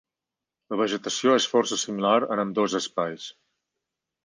La vegetació és força similar en ambdós espais.